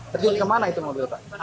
terjun kemana itu mobil pak